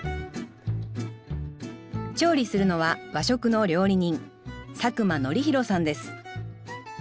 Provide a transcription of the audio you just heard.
調理するのは和食の料理人佐久間徳広さんです